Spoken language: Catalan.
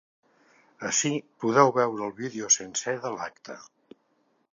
Ací podeu veure el vídeo sencer de l’acte.